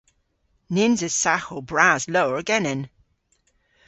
Nyns eus saghow bras lowr genen.